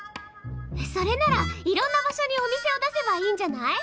それならいろんな場所にお店を出せばいいんじゃない？